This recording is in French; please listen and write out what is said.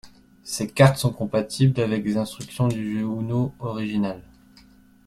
Ces cartes sont compatibles avec les instructions du jeu Uno original.